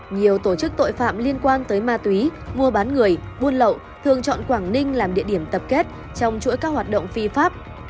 nhiều tổ chức tội phạm liên quan tới ma túy mua bán người buôn lậu thường chọn quảng ninh làm địa điểm tập kết trong chuỗi các hoạt động phi pháp